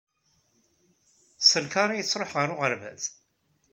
S lkar i yettruḥ ɣer uɣerbaz?